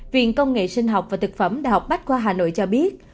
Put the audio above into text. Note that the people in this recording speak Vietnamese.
viện công nghệ sinh học và thực phẩm đh bắc khoa hà nội cho biết